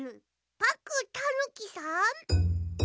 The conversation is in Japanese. パックンたぬきさん？